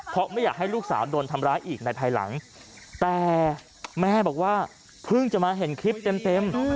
เพราะไม่อยากให้ลูกสาวโดนทำร้ายอีกในภายหลังแต่แม่บอกว่าเพิ่งจะมาเห็นคลิปเต็ม